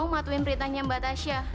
kita cuma mau matuin perintahnya mbak tasya